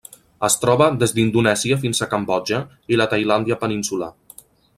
Es troba des d'Indonèsia fins a Cambodja i la Tailàndia peninsular.